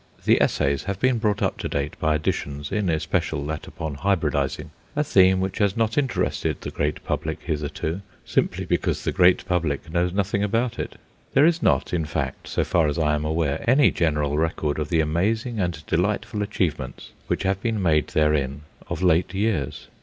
The essays have been brought up to date by additions in especial that upon "Hybridizing," a theme which has not interested the great public hitherto, simply because the great public knows nothing about it. There is not, in fact, so far as I am aware, any general record of the amazing and delightful achievements which have been made therein of late years.